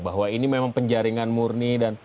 bahwa ini memang penjaringan murni dan